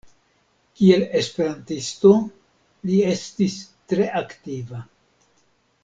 Kiel esperantisto li estis tre aktiva.